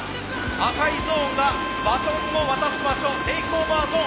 赤いゾーンがバトンを渡す場所テイクオーバーゾーン。